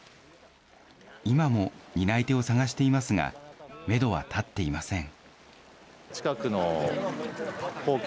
今も担い手を探していますが、メドは立っていません。